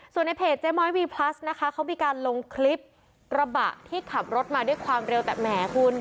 ส่วนในเพจเจ๊ม้อยวีพลัสนะคะเขามีการลงคลิปกระบะที่ขับรถมาด้วยความเร็วแต่แหมคุณ